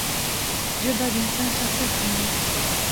ژبه د انسان شخصیت ښيي.